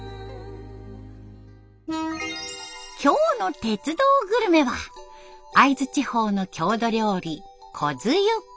今日の「鉄道グルメ」は会津地方の郷土料理こづゆ。